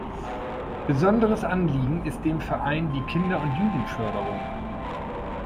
Besonderes Anliegen ist dem Verein die Kinder- und Jugendförderung.